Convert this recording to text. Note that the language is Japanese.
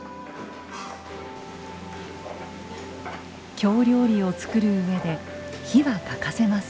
京料理を作る上で火は欠かせません。